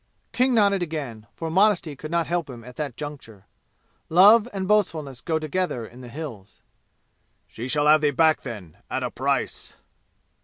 King nodded again, for modesty could not help him at that juncture. Love and boastfulness go together in the "Hills." "She shall have thee back, then, at a price!"